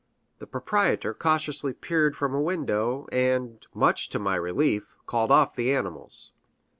The proprietor cautiously peered from a window, and, much to my relief, called off the animals.